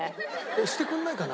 してくれないかな？